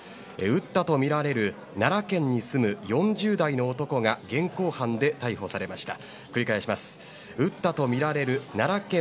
撃ったとみられる奈良県に住む４０代の男が現行犯で逮捕されました。